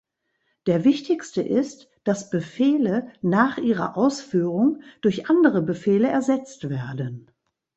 Der wichtigste ist, dass Befehle nach ihrer Ausführung durch andere Befehle ersetzt werden.